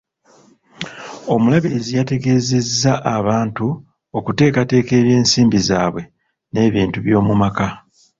Omulabirizi yategeeza abantu okuteekateeka eby'ensimbi zaabwe n'ebintu by'omu maka.